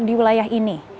di wilayah ini